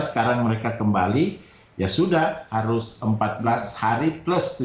sekarang mereka kembali ya sudah harus empat belas hari plus